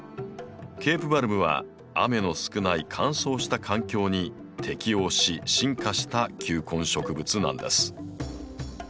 ケープバルブは雨の少ない乾燥した環境に適応し進化した球根植物なんです。